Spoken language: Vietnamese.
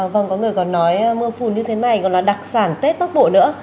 vâng có người còn nói mưa phùn như thế này còn là đặc sản tết bắc bộ nữa